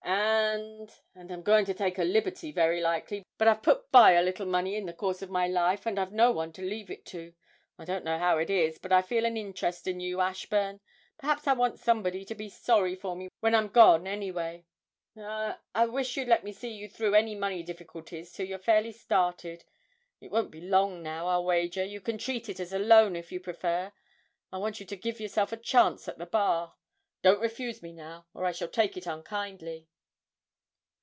And and I'm going to take a liberty very likely, but I've put by a little money in the course of my life, and I've no one to leave it to. I don't know how it is, but I feel an interest in you, Ashburn; perhaps I want somebody to be sorry for me when I'm gone, anyway, I I wish you'd let me see you through any money difficulties till you're fairly started it won't be long now, I'll wager, you can treat it as a loan if you prefer it. I want you to give yourself a chance at the Bar. Don't refuse me now, or I shall take it unkindly.'